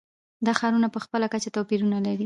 دا ښارونه په خپله کچه توپیرونه لري.